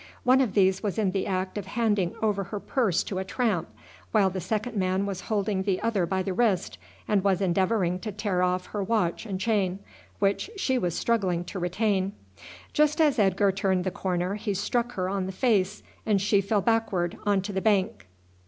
One of these was in the act of handing over her purse to a tramp, while the second man was holding the other by the wrist, and was endeavouring to tear off her watch and chain, which she was struggling to retain. Just as Edgar turned the corner he struck her on the face, and she fell backward on to the bank.